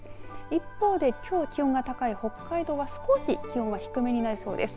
一方で、きょう気温が高い北海道は少し気温は低めになりそうです。